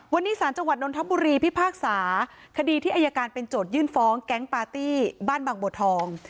วันนี้สารจังหวัดนทบุรีพิพากษาคดีที่อายการเป็นโจทยื่นฟ้องแก๊งปาร์ตี้บ้านบางบัวทอง